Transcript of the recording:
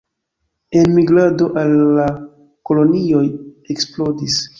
Enmigrado al la kolonioj eksplodis.